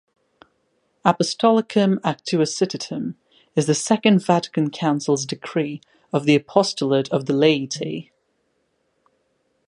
Apostolicam Actuositatem is the Second Vatican Council's Decree on the Apostolate of the Laity.